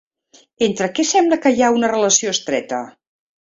Entre què sembla que hi ha una relació estreta?